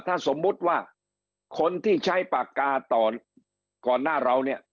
ถ้าสมมุติว่าคนที่ใช้ปากกาตอนก่อนหน้าเราเนี่ย